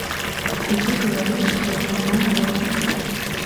Кучер говорил, что она надорвана.